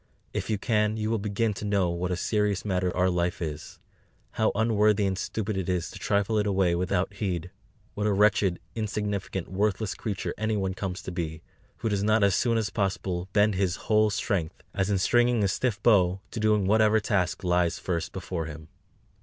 If you can, you will begin to know what a serious matter our Life is; how unworthy and stupid it is to trifle it away without heed; what a wretched, insignificant, worthless creature anyone comes to be, who does not as soon as possible bend his whole strength, as in stringing a stiff bow, to doing whatever task lies first before him."